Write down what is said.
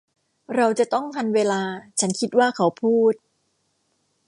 เราจะต้องทันเวลาฉันคิดว่าเขาพูด